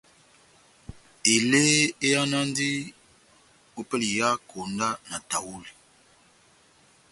Elé ehánandi ópɛlɛ ya iha dá konda na tahuli.